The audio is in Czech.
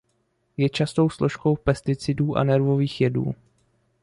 Je častou složkou pesticidů a nervových jedů.